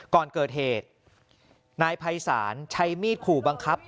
ก่อนเกิดเหตุนายภัยศาลใช้มีดขู่บังคับ